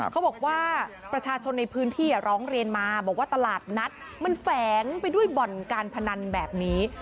เขาบอกว่าประชาชนในพื้นที่ร้องเรียนมาบอกว่าตลาดนัดมันแฝงไปด้วยบ่อนการพนันแบบนี้